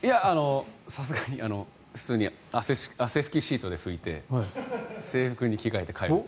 さすがに普通に汗拭きシートで拭いて制服に着替えて帰ります。